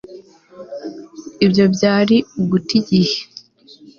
ibyo byari uguta igihe